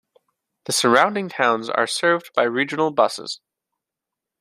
The surrounding towns are served by regional buses.